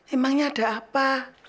emangnya ada apa